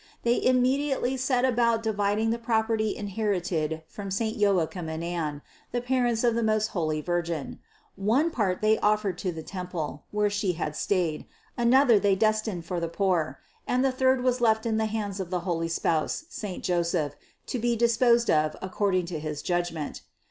They immediately set about dividing the property inherited from saint Joachim and Anne, the parents of the most holy Virgin; one part they of fered to the temple, where She had stayed, another they destined for the poor, and the third was left in the hands of the holy spouse saint Joseph to be disposed of accord ing to his judgment.